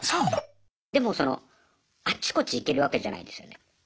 でもそのあっちこっち行けるわけじゃないですよね。